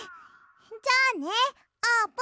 じゃあねあーぷん！